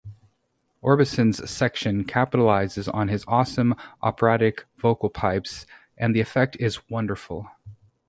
Orbison's section capitalizes on his awesome, operatic vocal pipes, and the effect is wonderful.